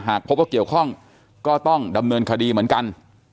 หากพบว่าเกี่ยวข้องก็ต้องดำเนินคดีเหมือนกัน